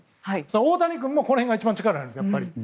大谷君もこの辺が力が入るんですよ。